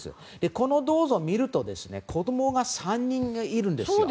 この銅像を見ると子供が３人いるんです。